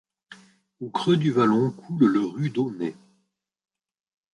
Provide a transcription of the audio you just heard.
Au creux du vallon coule le ru d'Aulnay.